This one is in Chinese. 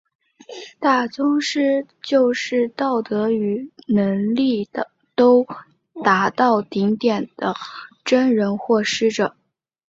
大宗师就是道德与能力都达到顶点的真人或师者。